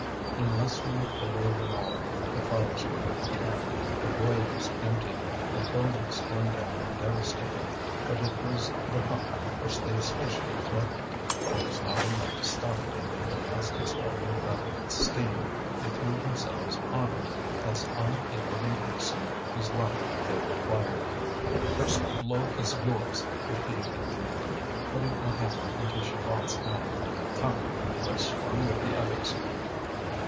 In less than a quarter of an hour the fires were overturned, the boilers emptied, the buildings torn down and devastated. But it was the pump which they specially threatened. It was not enough to stop it in the last expiring breath of its steam; they threw themselves on it as on a living person whose life they required. "The first blow is yours!" repeated Étienne, putting a hammer into Chaval's hand. "Come! you have sworn with the others!"